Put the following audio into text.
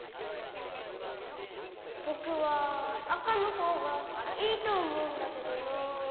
こころのこえぼくはあかのほうがいいとおもうんだけどな。